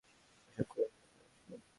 এসব করেই কিছু টাকা আসবে।